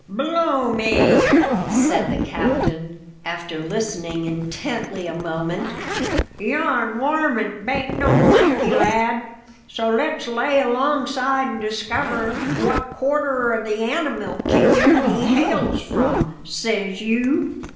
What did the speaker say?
"Blow me!" said the captain, after listening intently a moment, "yon warmint bain't no monkey, lad. So let's lay alongside an' diskiver what quarter o' the animile kingdom he hails from, says you."